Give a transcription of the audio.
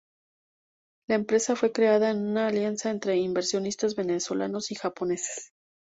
La empresa fue creada en una alianza entre inversionistas venezolanos y japoneses.